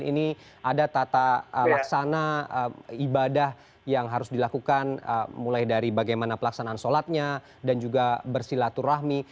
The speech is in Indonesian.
ini ada tata laksana ibadah yang harus dilakukan mulai dari bagaimana pelaksanaan sholatnya dan juga bersilaturahmi